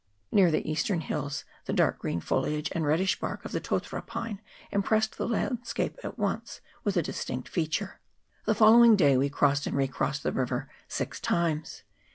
Near the eastern hills the dark green foliage and reddish bark of the totara pine impressed the landscape at once with a distinct feature. The following day we crossed and recrossed the river six times.